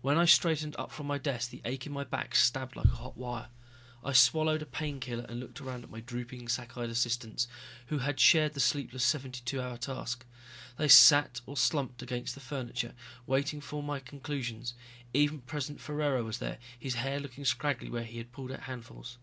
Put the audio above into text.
When I straightened up from my desk the ache in my back stabbed like a hot wire. I swallowed a painkiller and looked around at my drooping, sack eyed assistants who had shared the sleepless seventy two hour task. They sat or slumped against the furniture, waiting for my conclusions. Even President Ferraro was there, his hair looking scraggly where he had pulled out handfuls.